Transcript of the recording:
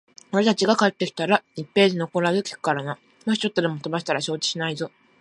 俺たちが帰ってきたら、一ページ残らず聞くからな。もしちょっとでも飛ばしていたら承知しないぞ。